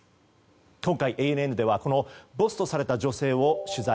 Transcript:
今回、ＡＮＮではボスとされた女性を取材。